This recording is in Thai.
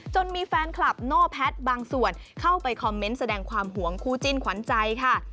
มีแฟนคลับโน่แพทย์บางส่วนเข้าไปคอมเมนต์แสดงความห่วงคู่จิ้นขวัญใจค่ะ